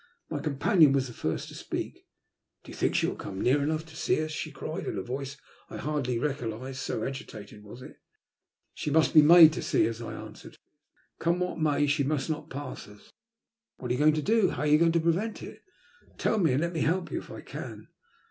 My companion was the first to speak. *' Do you think she will come near enough to see us/' she cried, in a voice I hardly recognized, so agitated was it. She must be made to see us," I answered, fiercely. *' Come what may, she must not pass us. *' What are you going to do ? How are you going to prevent it ? Tell me, and let me help you if I can."